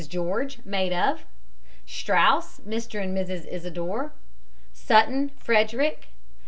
GEORGE, maid of. STRAUS, MR. AND MRS. ISIDOR. SUTTON, FREDERICK.